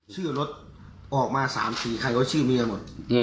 ชื่อรถออกมา๓สีใครก็ชื่อเมียหมด